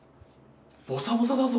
ボサボサだぞ！